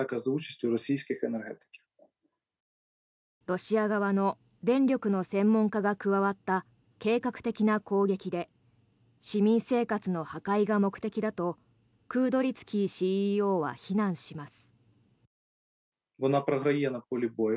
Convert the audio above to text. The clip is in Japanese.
ロシア側の電力の専門家が加わった計画的な攻撃で市民生活の破壊が目的だとクードリツキィＣＥＯは非難します。